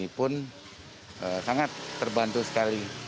ini pun sangat terbantu sekali